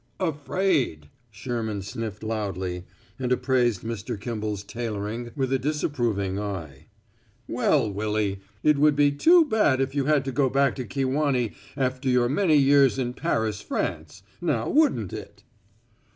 "Afraid!" Sherman sniffed loudly, and appraised Mr. Kimball's tailoring with a disapproving eye. "Well, Willy, it would be too bad if you had to go back to Kewanee after your many years in Paris, France; now, wouldn't it?"